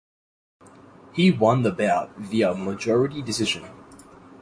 He won the bout via majority decision.